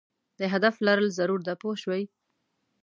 د هدف لرل ضرور دي پوه شوې!.